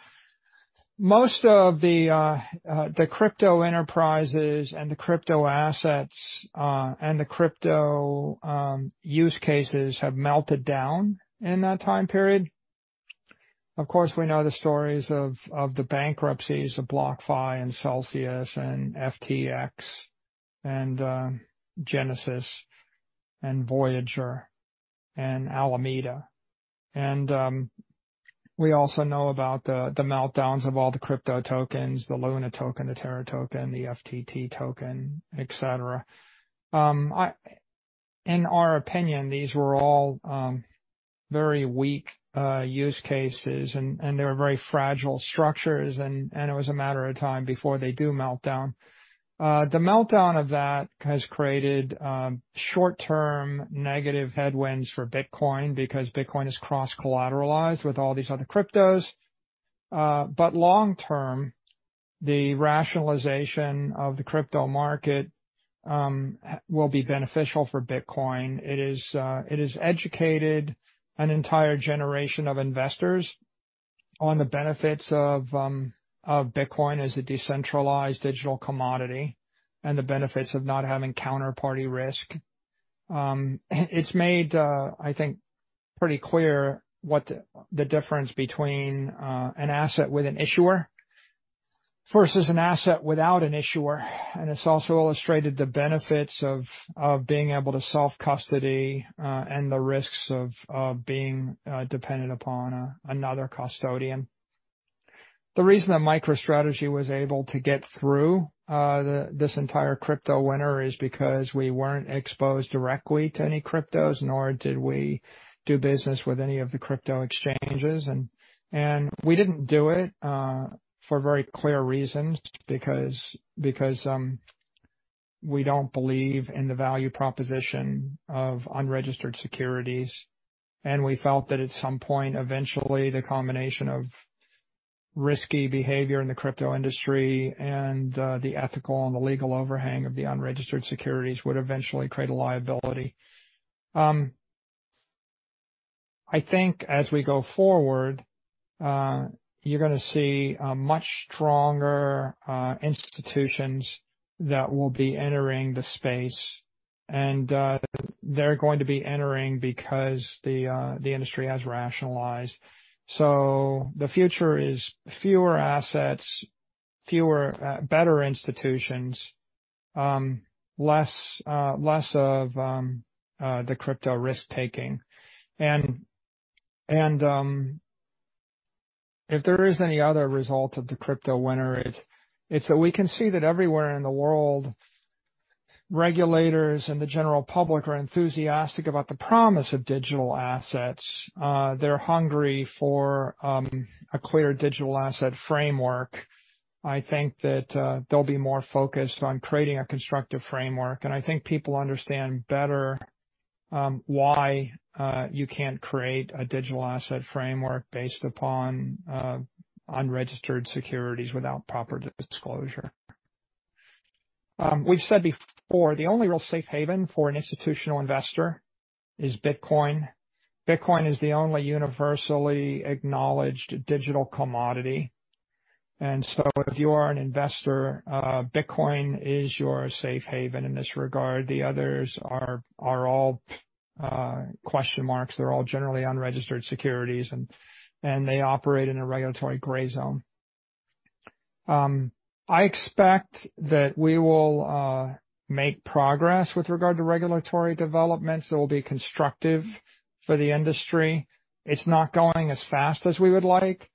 most of the crypto enterprises and the crypto assets and the crypto use cases have melted down in that time period. Of course, we know the stories of the bankruptcies of BlockFi and Celsius and FTX and Genesis and Voyager and Alameda. We also know about the meltdowns of all the crypto tokens, the LUNA token, the Terra token, the FTT token, etc. In our opinion, these were all very weak use cases and they were very fragile structures and it was a matter of time before they do meltdown. The meltdown of that has created short-term negative headwinds for Bitcoin because Bitcoin is cross-collateralized with all these other cryptos. Long-term, the rationalization of the crypto market will be beneficial for Bitcoin. It has educated an entire generation of investors on the benefits of Bitcoin as a decentralized digital commodity, and the benefits of not having counterparty risk. It's made, I think, pretty clear what the difference between an asset with an issuer versus an asset without an issuer, and it's also illustrated the benefits of being able to self-custody, and the risks of being dependent upon another custodian. The reason that MicroStrategy was able to get through this entire crypto winter is because we weren't exposed directly to any cryptos, nor did we do business with any of the crypto exchanges. We didn't do it for very clear reasons, because we don't believe in the value proposition of unregistered securities, and we felt that at some point, eventually, the combination of risky behavior in the crypto industry and the ethical and the legal overhang of the unregistered securities would eventually create a liability. I think as we go forward, you're gonna see a much stronger institutions that will be entering the space. They're going to be entering because the industry has rationalized. The future is fewer assets, fewer better institutions, less of the crypto risk-taking. If there is any other result of the crypto winter, it's that we can see that everywhere in the world, regulators and the general public are enthusiastic about the promise of digital assets. They're hungry for a clear digital asset framework. I think that they'll be more focused on creating a constructive framework. I think people understand better why you can't create a digital asset framework based upon unregistered securities without proper disclosure. We've said before, the only real safe haven for an institutional investor is Bitcoin. Bitcoin is the only universally acknowledged digital commodity. If you are an investor, Bitcoin is your safe haven in this regard. The others are all question marks. They're all generally unregistered securities, and they operate in a regulatory gray zone. I expect that we will make progress with regard to regulatory developments that will be constructive for the industry. It's not going as fast as we would like.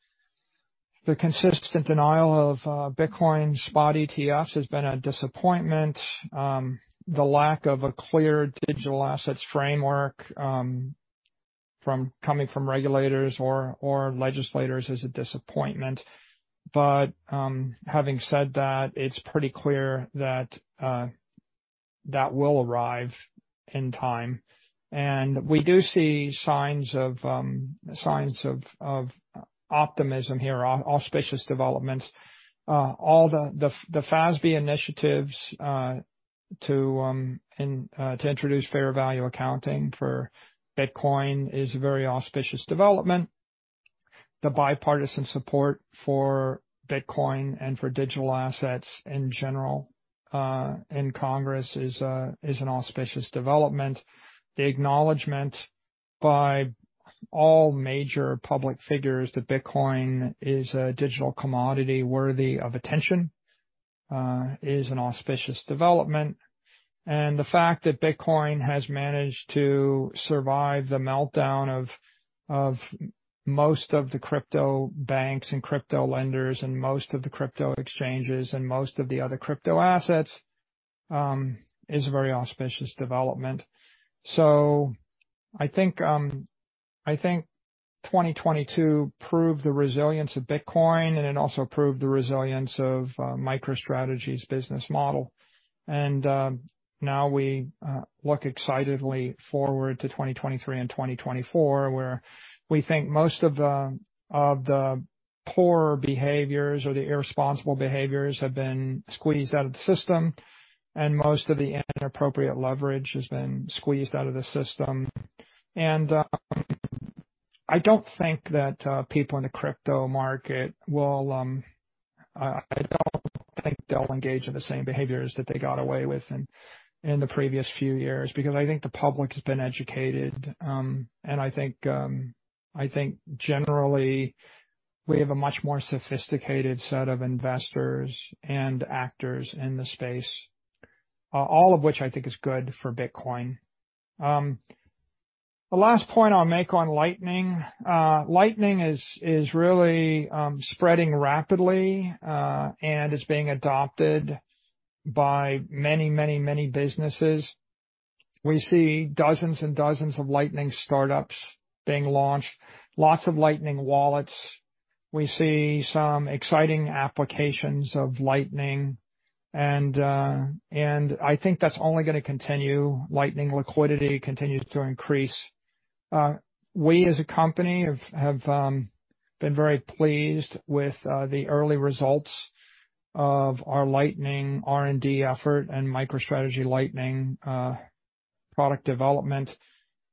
The consistent denial of Bitcoin spot ETFs has been a disappointment. The lack of a clear digital assets framework coming from regulators or legislators is a disappointment. Having said that, it's pretty clear that will arrive in time. We do see signs of optimism here, auspicious developments. All the FASB initiatives to introduce fair value accounting for Bitcoin is a very auspicious development. The bipartisan support for Bitcoin and for digital assets in general, Congress is an auspicious development. The acknowledgement by all major public figures that Bitcoin is a digital commodity worthy of attention, is an auspicious development. The fact that Bitcoin has managed to survive the meltdown of most of the crypto banks and crypto lenders, and most of the crypto exchanges, and most of the other crypto assets, is a very auspicious development. I think 2022 proved the resilience of Bitcoin, and it also proved the resilience of MicroStrategy's business model. Now we look excitedly forward to 2023 and 2024, where we think most of the poor behaviors or the irresponsible behaviors have been squeezed out of the system, and most of the inappropriate leverage has been squeezed out of the system. I don't think that people in the crypto market will, I don't think they'll engage in the same behaviors that they got away with in the previous few years, because I think the public has been educated. I think, I think generally we have a much more sophisticated set of investors and actors in the space. All of which I think is good for Bitcoin. The last point I'll make on Lightning. Lightning is really spreading rapidly and it's being adopted by many businesses. We see dozens and dozens of Lightning startups being launched, lots of Lightning wallets. We see some exciting applications of Lightning, and I think that's only gonna continue. Lightning liquidity continues to increase. Uh, we as a company have, have, um, been very pleased with, uh, the early results of our Lightning R&D effort and MicroStrategy Lightning, uh, product development.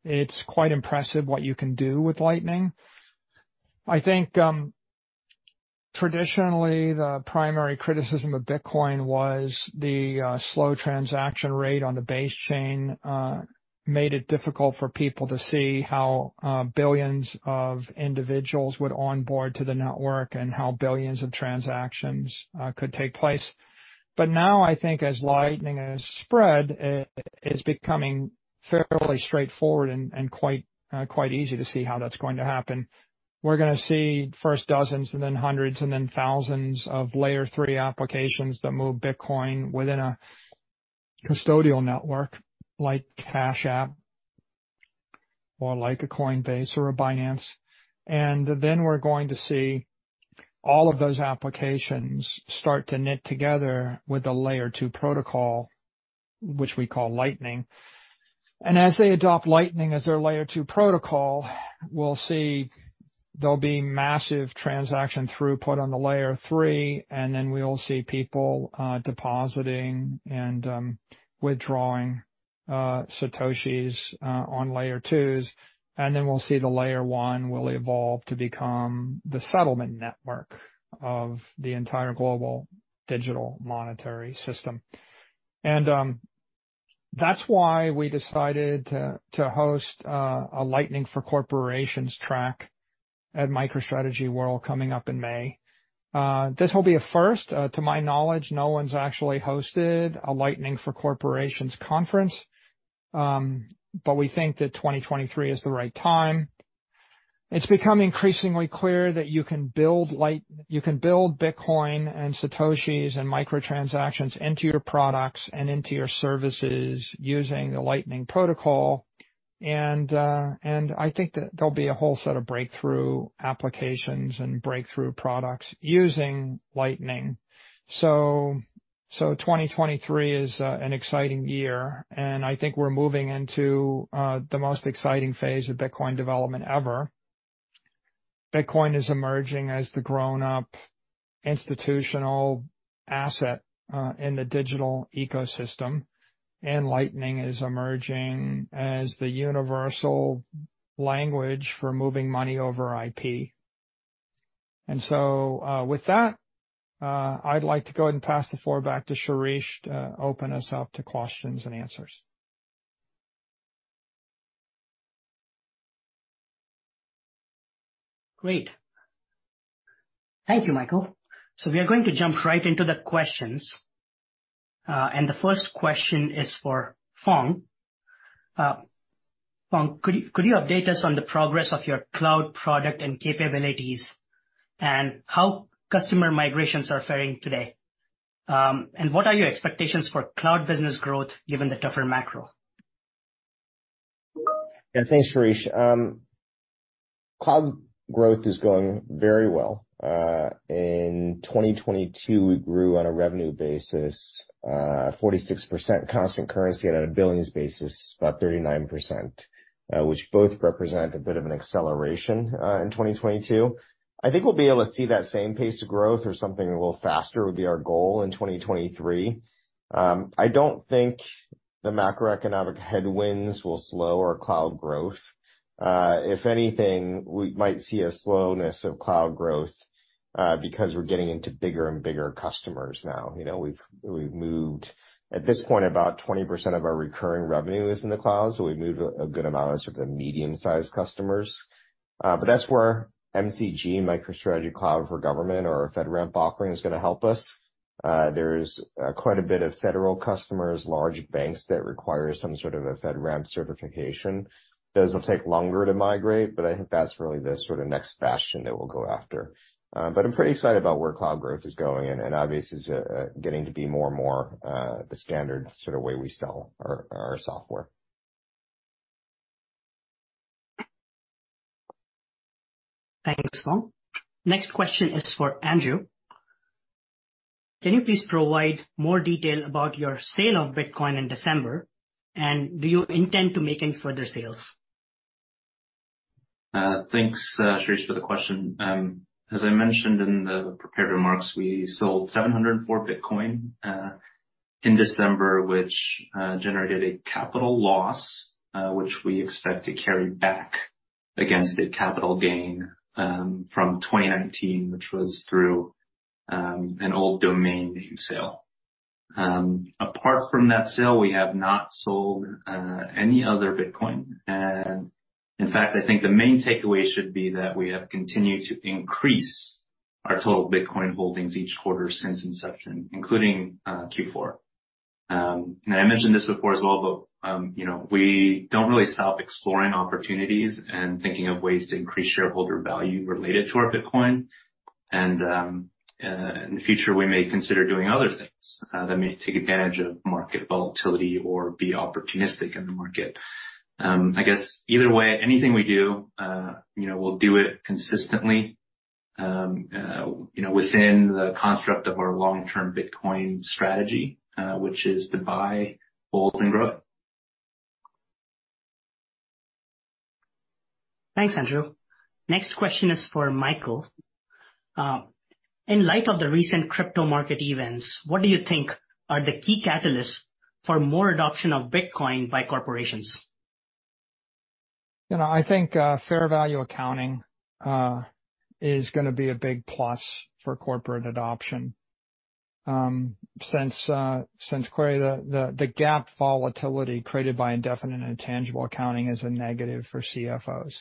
It's quite impressive what you can do with Lightning. I think, um, traditionally, the primary criticism of Bitcoin was the, uh, slow transaction rate on the base chain, uh, made it difficult for people to see how, uh, billions of individuals would onboard to the network and how billions of transactions, uh, could take place. But now I think as Lightning has spread, uh, it's becoming fairly straightforward and, and quite, uh, quite easy to see how that's going to happen. We're gonna see first dozens and then hundreds and then thousands of layer three applications that move Bitcoin within a custodial network like Cash App or like a Coinbase or a Binance. Then we're going to see all of those applications start to knit together with a Layer two protocol, which we call Lightning. As they adopt Lightning as their Layer two protocol, we'll see there'll be massive transaction throughput on the Layer three, then we'll see people depositing and withdrawing satoshis on Layer 2s, then we'll see the Layer one will evolve to become the settlement network of the entire global digital monetary system. That's why we decided to host a Lightning for Corporations track at MicroStrategy World coming up in May. This will be a first. To my knowledge, no one's actually hosted a Lightning for Corporations conference. We think that 2023 is the right time. It's become increasingly clear that you can build Bitcoin and satoshis and micro-transactions into your products and into your services using the Lightning protocol. I think that there'll be a whole set of breakthrough applications and breakthrough products using Lightning. 2023 is an exciting year, and I think we're moving into the most exciting phase of Bitcoin development ever. Bitcoin is emerging as the grown-up institutional asset in the digital ecosystem, and Lightning is emerging as the universal language for moving money over IP. With that, I'd like to go ahead and pass the floor back to Shirish to open us up to questions and answers. Great. Thank you, Michael. We are going to jump right into the questions. The first question is for Phong. Phong, could you update us on the progress of your cloud product and capabilities and how customer migrations are faring today? What are your expectations for cloud business growth given the tougher macro? Yeah. Thanks, Shirish. Cloud growth is going very well. In 2022, we grew on a revenue basis, 46% constant currency at a billings basis about 39%, which both represent a bit of an acceleration in 2022. I think we'll be able to see that same pace of growth or something a little faster would be our goal in 2023. I don't think the macroeconomic headwinds will slow our cloud growth. If anything, we might see a slowness of cloud growth because we're getting into bigger and bigger customers now. You know, at this point about 20% of our recurring revenue is in the cloud, so we've moved a good amount of sort of the medium-sized customers. That's where MCG, MicroStrategy Cloud for Government or our FedRAMP offering is gonna help us. There's quite a bit of federal customers, large banks that require some sort of a FedRAMP certification. Those will take longer to migrate, but I think that's really the sorta next fashion that we'll go after. I'm pretty excited about where cloud growth is going, and obviously is getting to be more and more the standard sorta way we sell our software. Thanks, Phong. Next question is for Andrew. Can you please provide more detail about your sale of Bitcoin in December? Do you intend to make any further sales? Thanks, Shirish, for the question. As I mentioned in the prepared remarks, we sold 704 Bitcoin in December, which generated a capital loss, which we expect to carry back against the capital gain from 2019, which was through an old domain name sale. Apart from that sale, we have not sold any other Bitcoin. In fact, I think the main takeaway should be that we have continued to increase our total Bitcoin holdings each quarter since inception, including Q4. I mentioned this before as well, but, you know, we don't really stop exploring opportunities and thinking of ways to increase shareholder value related to our Bitcoin. In the future, we may consider doing other things that may take advantage of market volatility or be opportunistic in the market. I guess either way, anything we do, you know, we'll do it consistently, you know, within the construct of our long-term Bitcoin strategy, which is to buy, hold and grow. Thanks, Andrew. Next question is for Michael. In light of the recent crypto market events, what do you think are the key catalysts for more adoption of Bitcoin by corporations? You know, I think fair value accounting is gonna be a big plus for corporate adoption. Since clearly the GAAP volatility created by indefinite-lived intangible accounting is a negative for CFOs.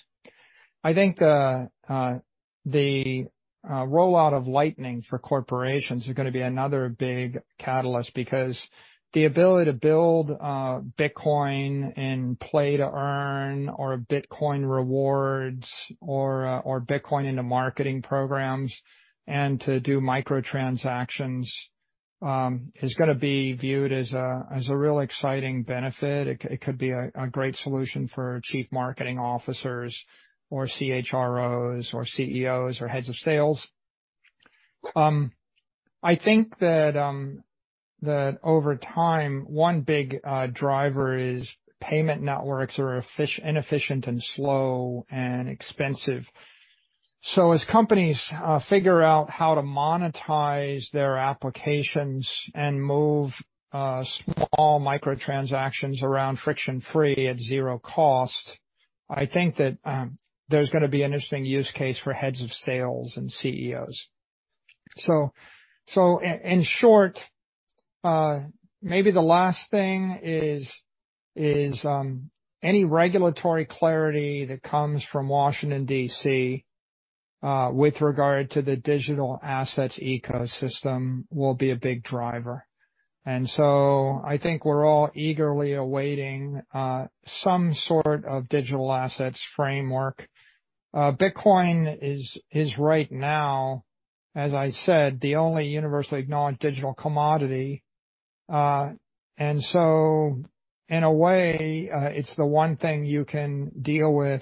I think the rollout of Lightning for Corporations is gonna be another big catalyst because the ability to build Bitcoin and play-to-earn or Bitcoin rewards or Bitcoin into marketing programs and to do micro-transactions is gonna be viewed as a real exciting benefit. It could be a great solution for chief marketing officers or CHROs or CEOs or heads of sales. I think that over time, one big driver is payment networks are inefficient and slow and expensive. As companies figure out how to monetize their applications and move small micro-transactions around friction-free at 0 cost, I think that there's gonna be interesting use case for heads of sales and CEOs. In short, maybe the last thing is any regulatory clarity that comes from Washington, D.C., with regard to the digital assets ecosystem will be a big driver. I think we're all eagerly awaiting some sort of digital assets framework. Bitcoin right now, as I said, the only universally acknowledged digital commodity. In a way, it's the one thing you can deal with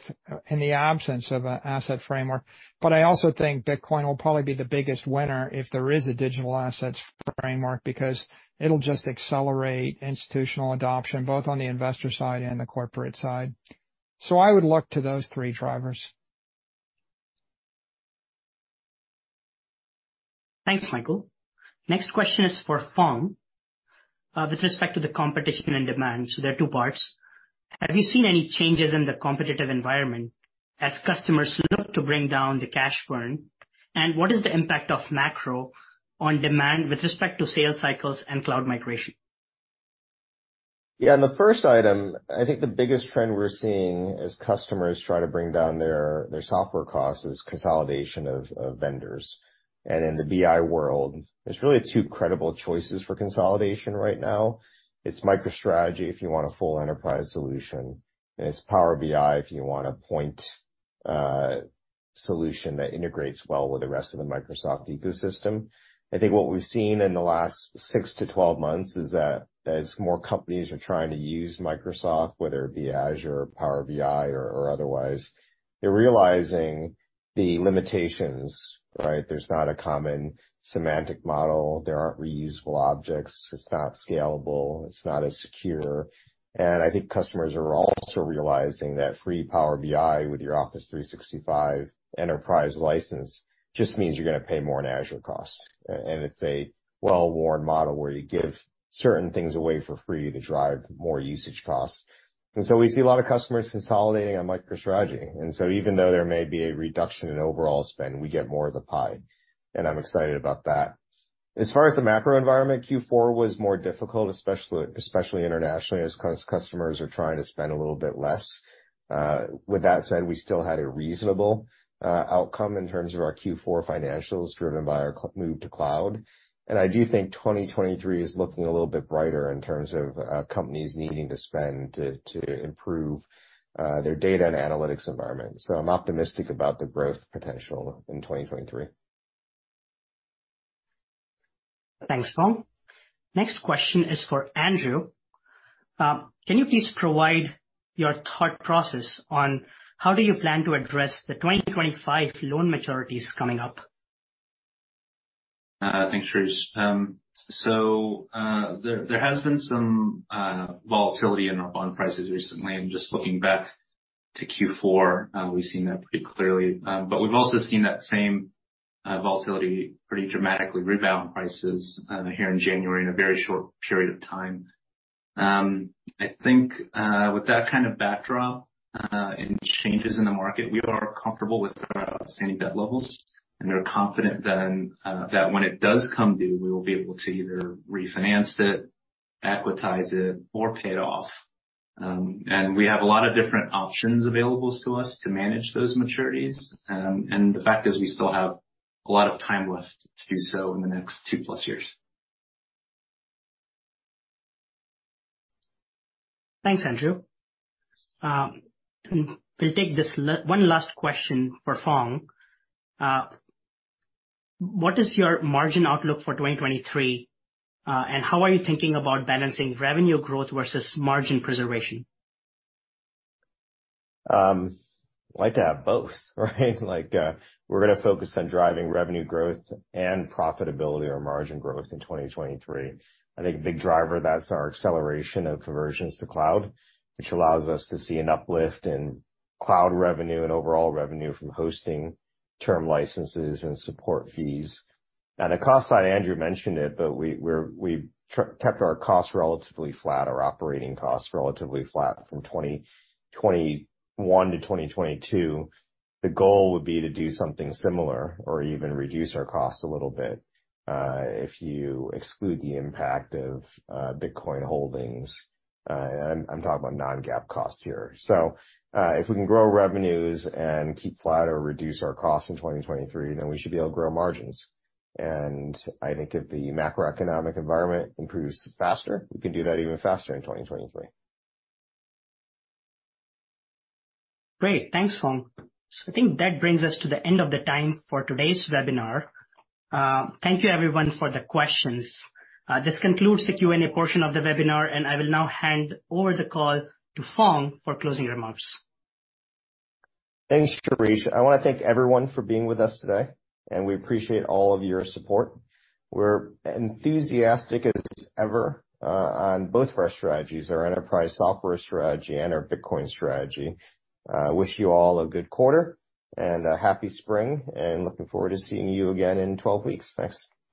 in the absence of a asset framework. I also think Bitcoin will probably be the biggest winner if there is a digital assets framework because it'll just accelerate institutional adoption, both on the investor side and the corporate side. I would look to those three drivers. Thanks, Michael. Next question is for Phong, with respect to the competition and demand, so there are two parts. Have you seen any changes in the competitive environment as customers look to bring down the cash burn? What is the impact of macro on demand with respect to sales cycles and cloud migration? On the first item, I think the biggest trend we're seeing as customers try to bring down their software costs is consolidation of vendors. In the BI world, there's really two credible choices for consolidation right now. It's MicroStrategy if you want a full enterprise solution, and it's Power BI if you want a point solution that integrates well with the rest of the Microsoft ecosystem. I think what we've seen in the last 6-12 months is that as more companies are trying to use Microsoft, whether it be Azure or Power BI or otherwise, they're realizing the limitations, right? There's not a common semantic model. There aren't reusable objects. It's not scalable. It's not as secure. I think customers are also realizing that free Power BI with your Office 365 enterprise license just means you're gonna pay more in Azure costs. It's a well-worn model where you give certain things away for free to drive more usage costs. We see a lot of customers consolidating on MicroStrategy. Even though there may be a reduction in overall spend, we get more of the pie, and I'm excited about that. As far as the macro environment, Q4 was more difficult, especially internationally as customers are trying to spend a little bit less. With that said, we still had a reasonable outcome in terms of our Q4 financials driven by our move to cloud. I do think 2023 is looking a little bit brighter in terms of, companies needing to spend to improve their data and analytics environment. I'm optimistic about the growth potential in 2023. Thanks, Phong. Next question is for Andrew. Can you please provide your thought process on how do you plan to address the 2025 loan maturities coming up? Thanks, Shirish. There has been some volatility in our bond prices recently. Just looking back to Q4, we've seen that pretty clearly. We've also seen that same volatility pretty dramatically rebound prices here in January in a very short period of time. I think with that kind of backdrop and changes in the market, we are comfortable with our outstanding debt levels, we're confident then that when it does come due, we will be able to either refinance it, equitize it, or pay it off. We have a lot of different options available to us to manage those maturities. The fact is we still have a lot of time left to do so in the next 2+ years. Thanks, Andrew. We'll take one last question for Phong. What is your margin outlook for 2023, and how are you thinking about balancing revenue growth versus margin preservation? Like to have both, right? Like, we're gonna focus on driving revenue growth and profitability or margin growth in 2023. I think a big driver, that's our acceleration of conversions to cloud, which allows us to see an uplift in cloud revenue and overall revenue from hosting term licenses and support fees. On the cost side, Andrew mentioned it, but we kept our costs relatively flat, our operating costs relatively flat from 2021 to 2022. The goal would be to do something similar or even reduce our costs a little bit, if you exclude the impact of Bitcoin holdings. And I'm talking about non-GAAP costs here. If we can grow revenues and keep flat or reduce our costs in 2023, then we should be able to grow margins. I think if the macroeconomic environment improves faster, we can do that even faster in 2023. Great. Thanks, Phong. I think that brings us to the end of the time for today's webinar. Thank you everyone for the questions. This concludes the Q&A portion of the webinar. I will now hand over the call to Phong for closing remarks. Thanks, Shirish. I wanna thank everyone for being with us today. We appreciate all of your support. We're enthusiastic as ever on both our strategies, our enterprise software strategy and our Bitcoin strategy. Wish you all a good quarter and a happy spring. Looking forward to seeing you again in 12 weeks. Thanks.